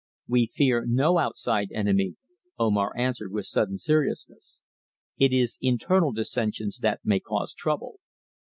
"We fear no outside enemy," Omar answered with sudden seriousness. "It is internal dissensions that may cause trouble.